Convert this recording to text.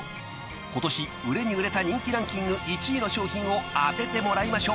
［今年売れに売れた人気ランキング１位の商品を当ててもらいましょう］